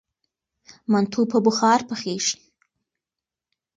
منتو په بخار پخیږي.